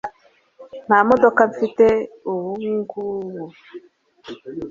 Nta modoka mfite ubguhu